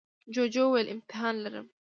جوجو وویل امتحان لرم.